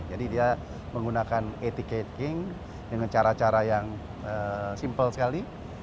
jadi dia menggunakan etiketing dengan cara cara yang simple sekali